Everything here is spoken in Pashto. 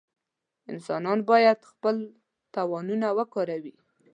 انسانان باید خپل توانونه وکاروي.